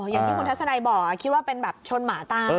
อย่างที่คุณทัศนัยบอกคิดว่าเป็นแบบชนหมาตาย